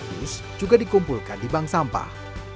sampah sampah organik juga dikumpulkan di bank sampah